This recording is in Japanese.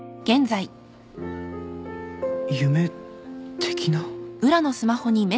夢的な？